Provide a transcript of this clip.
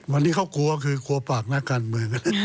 วันนี้เขากลัวคือกลัวปากนักการเมือง